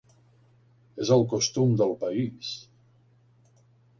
És el costum del país.